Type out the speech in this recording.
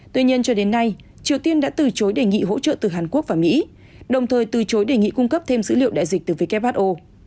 tuy nhiên cho đến nay triều tiên đã từ chối đề nghị hỗ trợ từ hàn quốc và mỹ đồng thời từ chối đề nghị cung cấp thêm dữ liệu đại dịch từ who